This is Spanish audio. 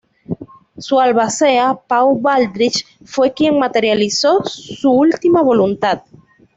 Su albacea Pau Baldrich fue quien materializó su última voluntad.